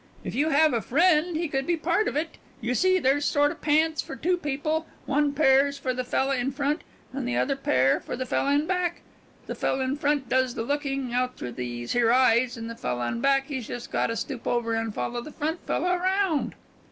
"If you have a friend he could be part of it. You see there's sorta pants for two people. One pair is for the fella in front, and the other pair for the fella in back. The fella in front does the lookin' out through these here eyes, an' the fella in back he's just gotta stoop over an' folla the front fella round."